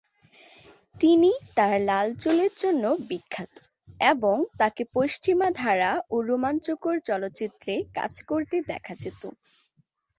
তিনি তার লাল চুলের জন্য বিখ্যাত এবং তাকে পশ্চিমা ধারা ও রোমাঞ্চকর চলচ্চিত্রে কাজ করতে দেখা যেত।